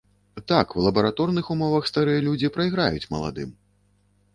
Так, у лабараторных умовах старыя людзі прайграюць маладым.